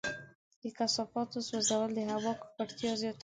د کثافاتو سوځول د هوا ککړتیا زیاته کوي.